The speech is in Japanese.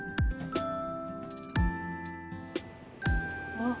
あっ。